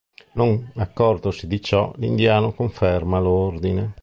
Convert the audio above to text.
Non accortosi di ciò, Indiano conferma l'ordine.